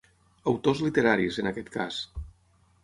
Autors literaris, en aquest cas.